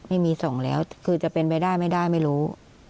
ไม่มีส่งแล้วคือจะเป็นไปได้ไม่ได้ไม่รู้